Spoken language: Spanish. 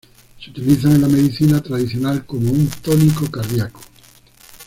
Se utilizan en la medicina tradicional como un tónico cardíaco.